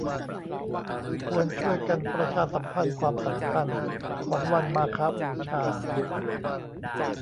ควรช่วยกันประชาสัมพันธ์ความสำคัญของวันมาฆบูชา